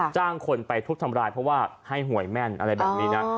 จ้างคนไปทุบทำร้ายเพราะว่าให้หวยแม่นอะไรแบบนี้นะ